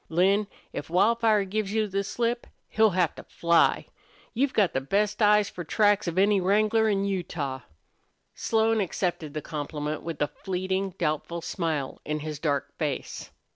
"Lin, if Wildfire gives you the slip he'll have to fly. You've got the best eyes for tracks of any wrangler in Utah." Slone accepted the compliment with a fleeting, doubtful smile on his dark face.